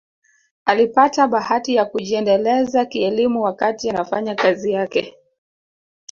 Alipata bahati ya kujiendeleza kielimu wakati anafanya kazi yake